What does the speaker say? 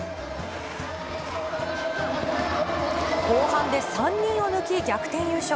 後半で３人を抜き、逆転優勝。